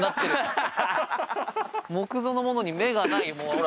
木造の物に目がない。